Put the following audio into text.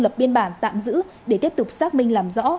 lập biên bản tạm giữ để tiếp tục xác minh làm rõ